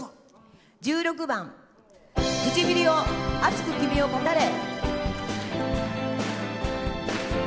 １６番「唇よ、熱く君を語れ」。